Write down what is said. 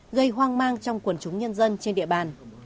gây hoang mang trong quần chúng nhân dân trên địa bàn